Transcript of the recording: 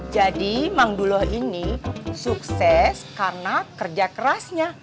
jadi bang duluh ini sukses karena kerja kerasnya